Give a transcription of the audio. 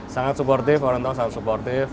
sangat supportif orangtua sangat supportif